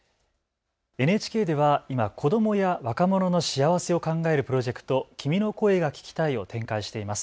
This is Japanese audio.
ＮＨＫでは今、子どもや若者の幸せを考えるプロジェクト、君の声が聴きたいを展開しています。